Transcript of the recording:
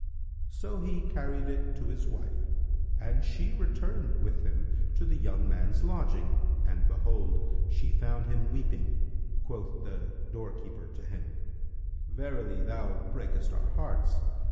So he carried it to his wife and she returned with him to the young man's lodging and behold, she found him weeping, quoth the doorkeeper to him, "Verily, thou breakest our hearts!